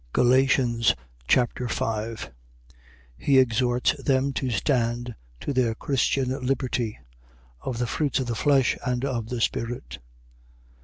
Galatians Chapter 5 He exhorts them to stand to their Christian liberty. Of the fruits of the flesh and of the spirit.